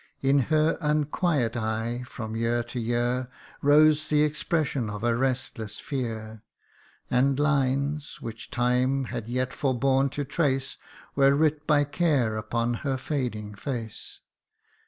In her unquiet eye from year to year Rose the expression of a restless fear, And lines, which time had yet forborne to trace, Were writ by care upon her fading face.